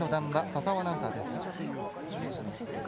佐々生アナウンサーです。